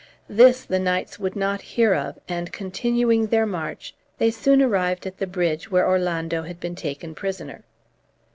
This the knights would not hear of, and, continuing their march, they soon arrived at the bridge where Orlando had been taken prisoner.